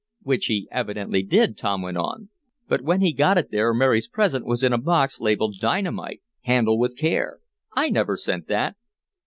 "Which he evidently did," Tom went on, "but when it got there Mary's present was in a box labeled 'Dynamite. Handle with care.' I never sent that."